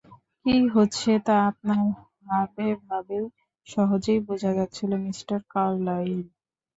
কী হচ্ছে, তা আপনার হাবেভাবে সহজেই বোঝা যাচ্ছিল, মিস্টার কার্লাইল।